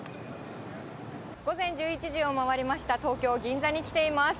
午前１１時を回りました、東京・銀座に来ています。